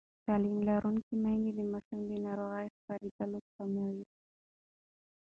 تعلیم لرونکې میندې د ماشومانو د ناروغۍ خپرېدل کموي.